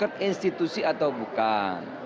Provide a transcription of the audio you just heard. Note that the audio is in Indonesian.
keputusan institusi atau bukan